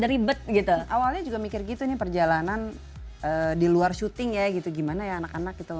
ribet gitu awalnya juga mikir gitu nih perjalanan di luar syuting ya gitu gimana ya anak anak gitu